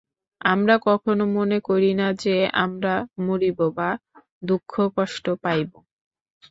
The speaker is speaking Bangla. আমরা কখনও মনে করি না যে, আমরা মরিব বা দুঃখকষ্ট পাইব।